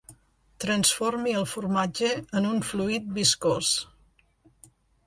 Transformi el formatge en un fluid viscós.